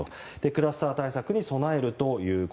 クラスター対策に備えると。